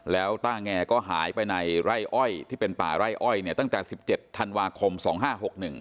แล้วต้าแงก็หายไปในไร่อ้อยที่เป็นป่าไร่อ้อยเนี่ยตั้งแต่สิบเจ็ดธันวาคมสองห้าหกหนึ่ง